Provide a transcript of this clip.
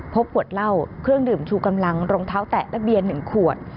พบขวดเหล้าเครื่องดื่มชูกำลังรองเท้าแตะและเบียน๑ขวด